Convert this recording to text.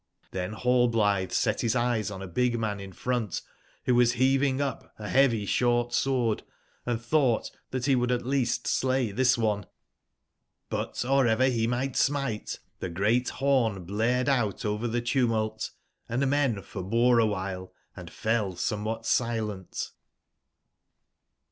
TIben Rallblitbe set bis eyes on a big man in front wbo was beaving up a beavy sbort/sword and tbougbt tbat be would at least slay tbis one. But or ever be migbt smite, tbe great born blared out over tbe tumult, and men for bore a wbilc and fell somewbat silent.